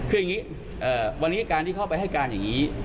คืออย่างนี้วันนี้การที่เข้าไปให้การอย่างนี้